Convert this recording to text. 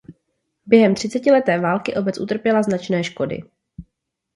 Během třicetileté války obec utrpěla značné škody.